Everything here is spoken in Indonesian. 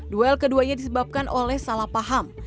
duel keduanya disebabkan oleh salah paham